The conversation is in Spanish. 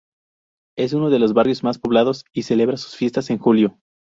Es uno de los barrios más poblados y celebra sus fiestas en julio.